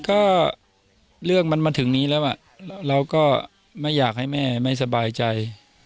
ก็เรื่องมันมาถึงนี้แล้วเราก็ไม่อยากให้แม่ไม่สบายใจ